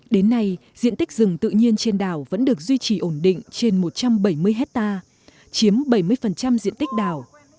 đến nay diện tích rừng tự nhiên trên đảo vẫn được duy trì ổn định trên một trăm bảy mươi hectare chiếm bảy mươi diện tích đảo